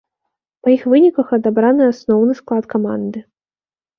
Па іх выніках адабраны асноўны склад каманды.